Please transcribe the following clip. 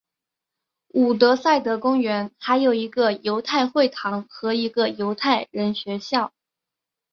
伍德塞德公园还有一个犹太会堂和一个犹太人学校。